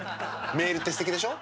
メールってすてきでしょ？